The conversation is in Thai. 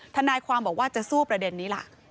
ทนายความบอกว่าจะสู้ประเด็นนี้ล่ะ